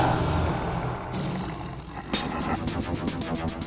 bang abang mau nelfon siapa sih